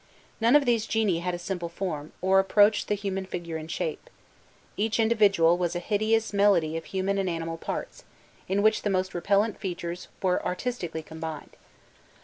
None of these genii had a simple form, or approached the human figure in shape; each individual was a hideous medley of human and animal parts, in which the most repellent features were artistically combined.